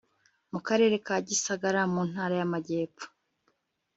mu karere ka gisagara mu ntara y'amajyepfo